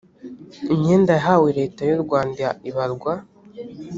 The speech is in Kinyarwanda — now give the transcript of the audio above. imyenda yahawe leta y u rwanda ibarwa